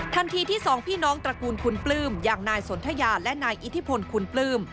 ทันทีที่สองพี่น้องตระกูลคุณปลื้มอย่างนายสนทยาและนายอิทธิพลคุณปลื้ม